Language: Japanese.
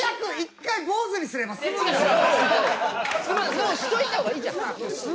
もうしといた方がいいじゃん。